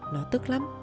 nó tức lắm